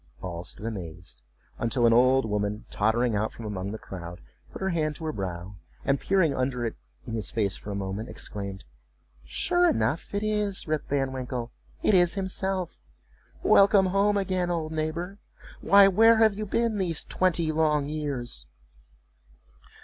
All stood amazed, until an old woman, tottering out from among the crowd, put her hand to her brow, and peering under it in his face for a moment, exclaimed, "Sure enough! it is Rip Van Winkle—it is himself! Welcome home again, old neighbor—Why, where have you been these twenty long years?"